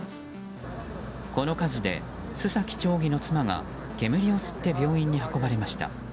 この火事で洲崎町議の妻が煙を吸って病院に運ばれました。